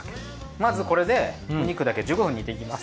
まずこれでお肉だけ１５分煮ていきます。